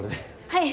はい。